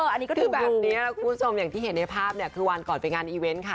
อันนี้ก็ถูกคุณผู้ชมอย่างที่เห็นในภาพคือวันก่อนไปงานอีเวนต์ค่ะ